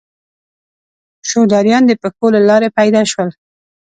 شودرایان د پښو له لارې پیدا شول.